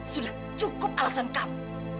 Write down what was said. sudah cukup alasan kamu